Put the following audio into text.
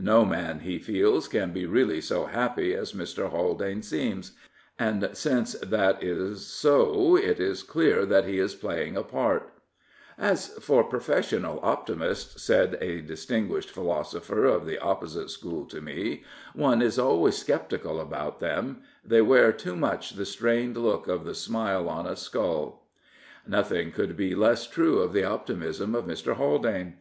No man, he feels, can be really so happy as Mr. Haldane seems, and since that is so it is clear that he is pla3dng a part. As for 283 Prophets, Priests, and Kings professional optimists/' said a distinguished philo sopher of the opposite school to me, " one is always sceptical about them: they wear too much the strained look of the smile on a skull/' Nothing could be less true of the optimism of Mr. Haldane.